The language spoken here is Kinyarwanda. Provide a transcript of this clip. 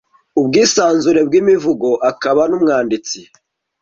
Ubwisanzure bw'Imivugo akaba n'umwanditsi